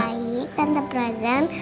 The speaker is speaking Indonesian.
pak baik tante bragan